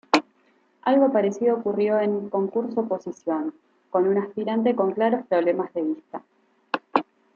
Algo parecido ocurrió en "Concurso oposición", con un aspirante con claros problemas de vista.